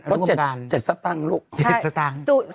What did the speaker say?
อันตรีกรรมการ๗สตางค์หรือเปล่า